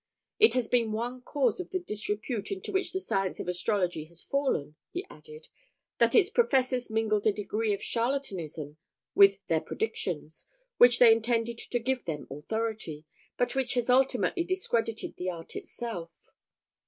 It has been one cause of the disrepute into which the science of astrology has fallen," he added, "that its professors mingled a degree of charlatanism with their predictions, which they intended to give them authority, but which has ultimately discredited the art itself.